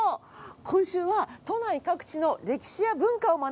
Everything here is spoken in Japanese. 今週は都内各地の歴史や文化を学んでいます。